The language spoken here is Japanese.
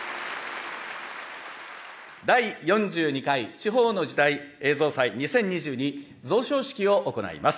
第４２回「地方の時代」映像祭２０２２贈賞式を行います。